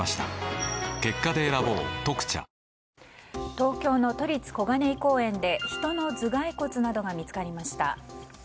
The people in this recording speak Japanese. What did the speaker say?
東京の都立小金井公園で人の頭蓋骨などが見つかりました。